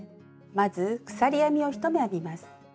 まず鎖編みを１目編みます。